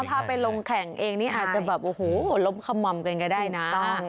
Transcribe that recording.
พาไปลงแข่งเองนี่อาจจะแบบโอ้โหล้มขม่อมกันก็ได้นะ